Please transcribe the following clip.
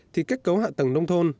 thì kết cấu hạ tầng nông thôn